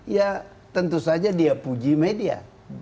ya tentu saja dia puji media